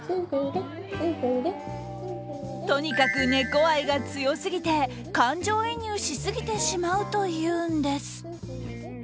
とにかく猫愛が強すぎて感情移入しすぎてしまうというんです。